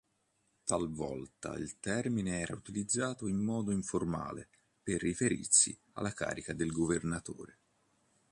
Talvolta il termine era utilizzato in modo informale per riferirsi alla carica del governatore.